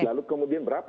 lalu kemudian berapa